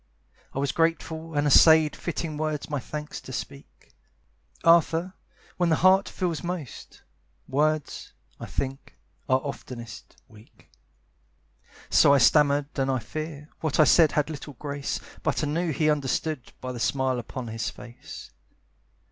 I was grateful and essayed Fitting words my thanks to speak. Arthur, when the heart feels most, Words, I think, are oftenest weak. So I stammered and I fear, What I said had little grace But I knew he understood, By the smile upon his face.